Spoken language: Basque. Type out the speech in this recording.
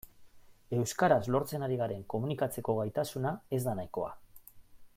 Euskaraz lortzen ari garen komunikatzeko gaitasuna ez da nahikoa.